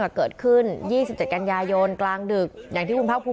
มีกล้วยติดอยู่ใต้ท้องเดี๋ยวพี่ขอบคุณ